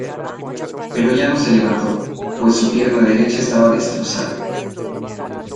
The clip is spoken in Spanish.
Pero ya no se levantó, pues su pierna derecha estaba destrozada.